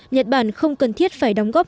nhật bản không cần thiết phải đóng góp